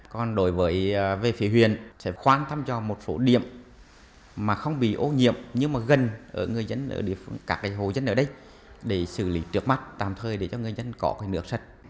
còn đối với về phía huyện sẽ quan tâm cho một số điểm mà không bị ô nhiễm nhưng mà gần ở các hộ dân ở đây để xử lý trước mắt tạm thời để cho người dân có cái nước sật